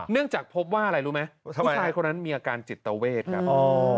เนื่องจากภพว่าอะไรรู้มั้ยผู้ชายคนนั้นมีอาการจิตเตาเวศครับ